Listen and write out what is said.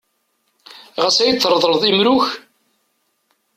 Ɣas ad yi-d-tṛeḍleḍ imru-k?